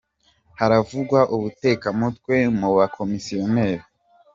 Haravugwa ubutekamutwe mu bakomisiyoneri